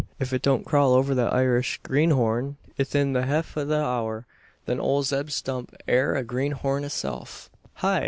Ef it don't crawl over thet Irish greenhorn 'ithin the hef o' an hour, then ole Zeb Stump air a greenhorn hisself. Hi!